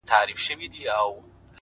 • خو هغې دغه ډالۍ؛